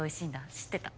知ってた？